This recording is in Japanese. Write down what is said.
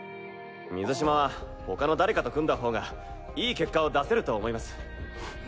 水嶋は他の誰かと組んだほうがいい結果を出せると思います。